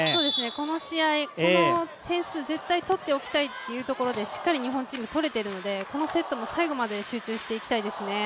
この試合、この点数絶対取っておきたいというところしっかり日本チーム、とれてますのでこのセットも最後まで集中していきたいですね。